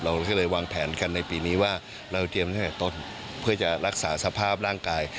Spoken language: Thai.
เราก็เลยวางแผนกันในปีนี้ว่าเราเตรียมตั้งแต่ต้นเพื่อจะรักษาสภาพร่างกาย